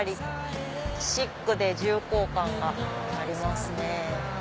シックで重厚感がありますね。